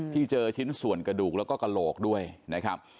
เจอชิ้นส่วนกระดูกแล้วก็กระโหลกด้วยนะครับ